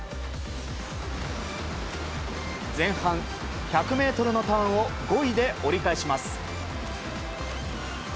前半１００ｍのターンを５位で折り返します。